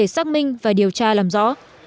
xác minh và điều tra làm rõ